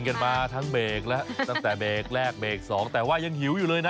กันมาทั้งเบรกแล้วตั้งแต่เบรกแรกเบรกสองแต่ว่ายังหิวอยู่เลยนะ